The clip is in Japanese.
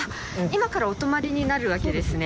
今からお泊まりになるわけでそうですね。